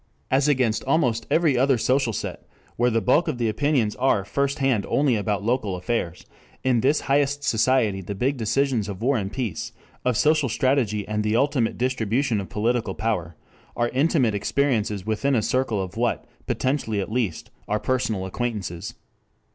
As against almost every other social set where the bulk of the opinions are first hand only about local affairs, in this Highest Society the big decisions of war and peace, of social strategy and the ultimate distribution of political power, are intimate experiences within a circle of what, potentially at least, are personal acquaintances.